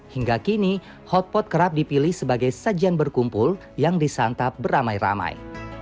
hingga kini hotpot kerap dipilih sebagai sajian berkumpul yang disantap beramai ramai